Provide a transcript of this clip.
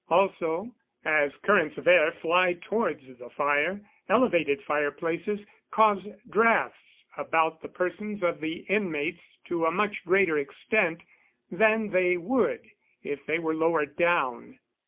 Also, as currents of air fly towards the fire, elevated fire places cause drafts about the persons of the inmates to a much greater extent than they would if they were lower down.